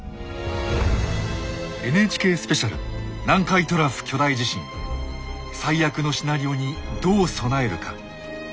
「ＮＨＫスペシャル南海トラフ巨大地震“最悪のシナリオ”にどう備えるか」。